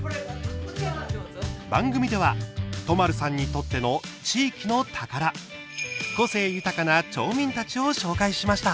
番組では都丸さんにとっての地域の宝個性豊かな町民たちを紹介しました。